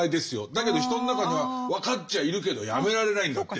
だけど人の中には分かっちゃいるけどやめられないんだってっていう。